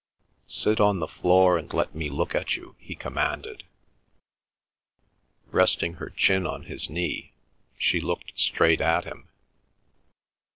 "Sit on the floor and let me look at you," he commanded. Resting her chin on his knee, she looked straight at him.